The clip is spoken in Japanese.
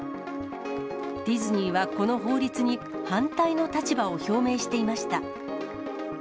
ディズニーはこの法律に反対の立場を表明していました。